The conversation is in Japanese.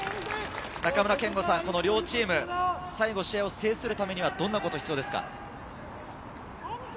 中村憲剛さん、両チーム、最後、試合を制するためにはどんなことが必要ですか？